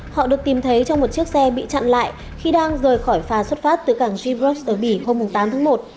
họ được tìm thấy trong một chiếc xe bị chặn lại khi đang rời khỏi phà xuất phát từ cảng zibros ở bỉ hôm tám tháng một